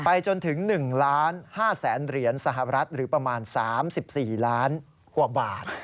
ไปจนถึง๑๕๐๐๐๐๐เหรียญสหรัฐหรือประมาณ๓๔ล้านกว่าบาท